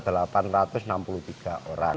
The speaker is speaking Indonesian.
jumlah anggota ada delapan ratus enam puluh tiga orang